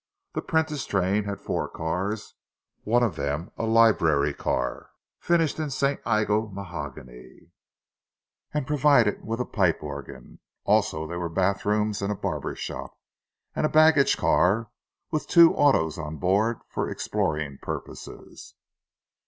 The Prentice train had four cars, one of them a "library car," finished in St. Iago mahogany, and provided with a pipe organ. Also there were bath rooms and a barber shop, and a baggage car with two autos on board for exploring purposes.